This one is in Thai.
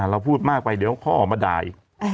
เราพูดมากไปเดี๋ยวเขาออกมาได้